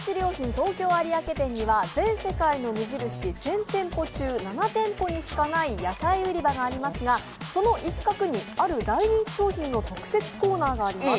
東京有明店には全世界の無印１０００店舗中、７店舗にしかない野菜売り場がありますが、その一角にある大人気商品の特設コーナーがあります。